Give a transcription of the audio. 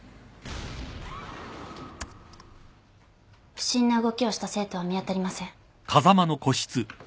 不審な動きをした生徒は見当たりません。